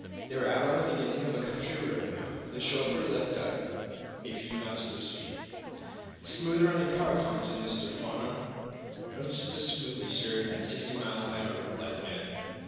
They were out on the beginning of a country road, now. The chauffeur let out a few notches of speed. "Smooth running car," commented Mr. Farnum. "Runs just as smoothly, sir, at sixty miles an hour," replied the man.